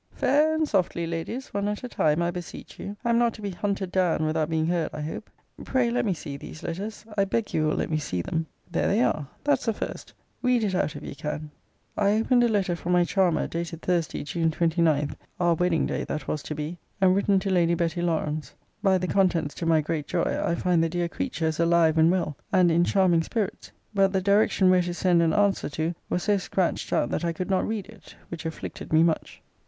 Fair and softly, Ladies one at a time, I beseech you. I am not to be hunted down without being heard, I hope. Pray let me see these letters. I beg you will let me see them. There they are: that's the first read it out, if you can. I opened a letter from my charmer, dated Thursday, June 29, our wedding day, that was to be, and written to Lady Betty Lawrance. By the contents, to my great joy, I find the dear creature is alive and well, and in charming spirits. But the direction where to send an answer to was so scratched out that I could not read it; which afflicted me much.